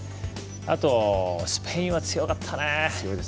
あと、スペインは強かったね。